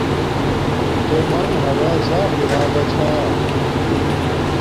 تومن ہوا صاف ارا گا چھا